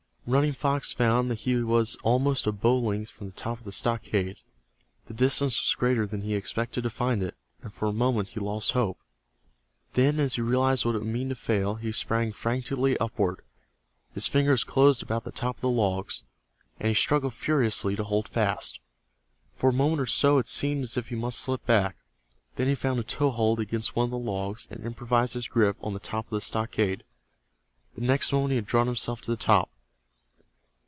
Running Fox found that he was almost a bow length from the top of the stockade. The distance was greater than he had expected to find it, and for a moment he lost hope. Then, as he realized what it would mean to fail, he sprang frantically upward. His fingers closed about the tops of the logs, and he struggled furiously to hold fast. For a moment or so it seemed as if he must slip back. Then he found a toe hold against one of the logs, and improved his grip on the top of the stockade. The next moment he had drawn himself to the top.